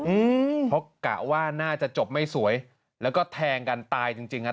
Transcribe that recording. อืมเพราะกะว่าน่าจะจบไม่สวยแล้วก็แทงกันตายจริงจริงฮะ